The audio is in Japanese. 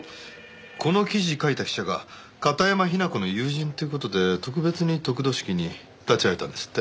この記事書いた記者が片山雛子の友人っていう事で特別に得度式に立ち会えたんですって。